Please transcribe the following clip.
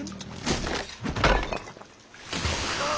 ・ああ。